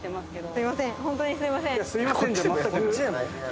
すいません。